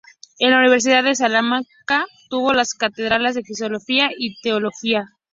En la Universidad de Salamanca tuvo las cátedras de filosofía y teología.